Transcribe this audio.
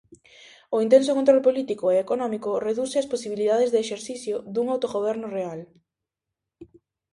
O intenso control político e económico reduce as posibilidades de exercicio dun autogoberno real.